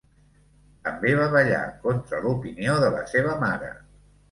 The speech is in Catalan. També va ballar, contra l'opinió de la seva mare.